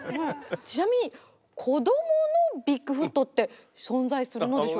ちなみに子どものビッグフットってそんざいするのでしょうか？